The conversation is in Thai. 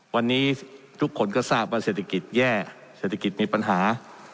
วันนี้ทุกคนก็ทราบว่าเศรษฐกิจแย่เศรษฐกิจมีปัญหา